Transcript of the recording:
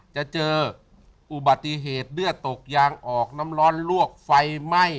จะเจออุบัติเหตุเลือดตกยางออกน้ำร้อนลวกไฟไหม้